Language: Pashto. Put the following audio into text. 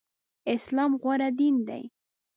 اسلام غوره دين دی.